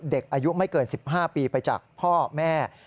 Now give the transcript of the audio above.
เด็กอายุไม่เกิน๑๕ปีไปจากพ่อแม่